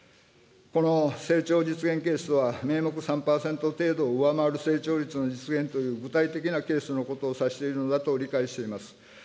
この成長実現ケースは、名目３％程度を上回る成長率の実現という、具体的なケースのことを指しているのだと理解しています。